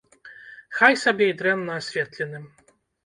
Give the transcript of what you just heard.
Хай сабе і дрэнна асветленым.